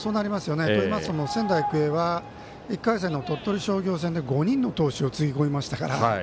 仙台育英は１回戦の鳥取商業戦で５人の投手をつぎ込みましたから。